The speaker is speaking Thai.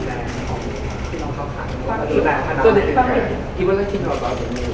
ในวันที่๑๙นาทีผู้กำหนดการสินค้าที่ไม่ได้ออกไป